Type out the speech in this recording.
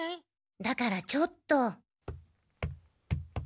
だからちょっと。